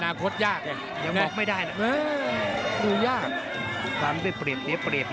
อนาคตยากน่ะงั้นยังบอกไม่ได้ล่ะรู้ยากซักคนเปรียบเดี๋ยวเปรียบ